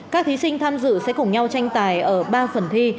các thí sinh tham dự sẽ cùng nhau tranh tài ở ba phần thi